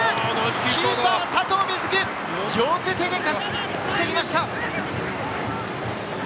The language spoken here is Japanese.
キーパー・佐藤瑞起、両手で防ぎました。